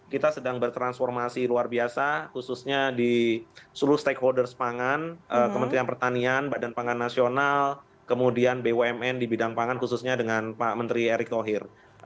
kita sedang bertransformasi luar biasa khususnya di seluruh stakeholders pangan kementerian pertanian badan pangan nasional kemudian bumn di bidang pangan khususnya dengan pak menteri erick thohir